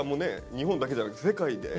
日本だけじゃなくて世界で。